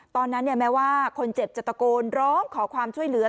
ตอนนั้นแม้ว่าคนเจ็บจะตะโกนร้องขอความช่วยเหลือ